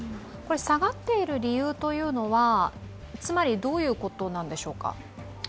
下がっている理由というのは、つまりどういうことですか？